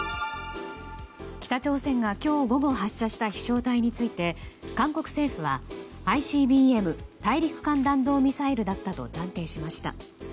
北朝鮮が今日午後発射した飛翔体について韓国政府はＩＣＢＭ・大陸間弾道ミサイルだったと断定しました。